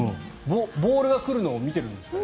ボールが来るのを見てるんですかね？